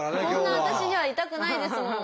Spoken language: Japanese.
こんな私ではいたくないですもん。